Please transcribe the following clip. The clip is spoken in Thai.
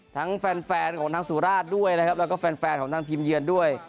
แฟนแฟนของทางสุราชด้วยนะครับแล้วก็แฟนของทางทีมเยือนด้วย